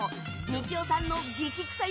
みちおさんの激臭